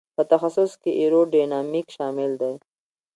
په تخصص کې ایرو ډینامیک شامل دی.